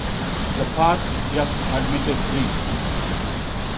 The path just admitted three.